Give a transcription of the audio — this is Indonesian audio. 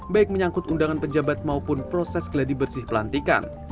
baik menyangkut undangan pejabat maupun proses geladi bersih pelantikan